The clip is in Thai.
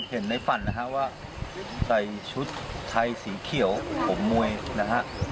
ในฝันนะฮะว่าใส่ชุดไทยสีเขียวผมมวยนะฮะ